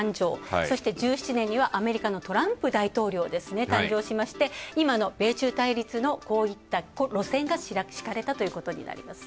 そして１７年にはアメリカのトランプ大統領が誕生しまして、今の米中対立のこういった路線が敷かれたということになりますね。